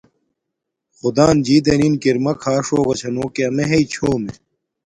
خدݳن جِݵ دݵنِن کِرمݳ کھݳݽ ہݸݳ چھݳ نݸ کہ ݳمݺ ہݵئ چھݸمݺ.